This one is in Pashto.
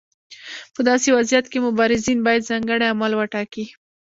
په داسې وضعیت کې مبارزین باید ځانګړي اعمال وټاکي.